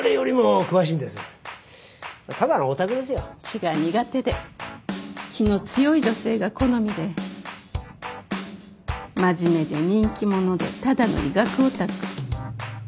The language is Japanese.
血が苦手で気の強い女性が好みで真面目で人気者でただの医学オタク。